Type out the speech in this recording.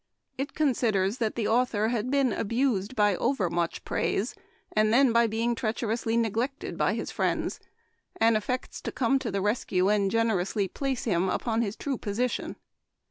It considers that the author had been abused by overmuch praise, and then by being treacherously neglected by his friends, and af fects to come to the rescue and generously place him upon his true position.